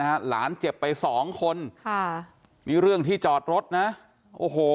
หลานเจ็บไปสองคนค่ะนี่เรื่องที่จอดรถนะโอ้โห